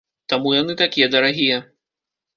Таму яны такія дарагія.